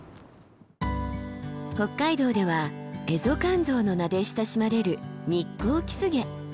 北海道ではエゾカンゾウの名で親しまれるニッコウキスゲ。